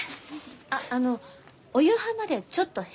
あっあのお夕飯までちょっと部屋にいてもいい？